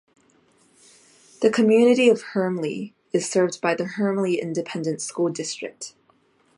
The community of Hermleigh is served by the Hermleigh Independent School District.